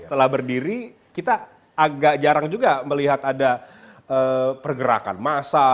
setelah berdiri kita agak jarang juga melihat ada pergerakan massa